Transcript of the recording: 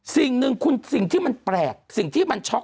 สิ่งหนึ่งคุณสิ่งที่มันแปลกสิ่งที่มันช็อก